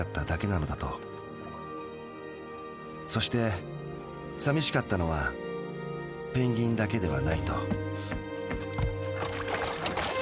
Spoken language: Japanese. そしてさみしかったのはペンギンだけではないと。